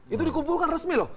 itu dikumpulkan resmi loh